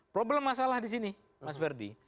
problem masalah di sini mas ferdi